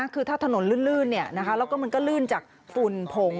คือถ้าถนนลื่นแล้วก็มันก็ลื่นจากฝุ่นผง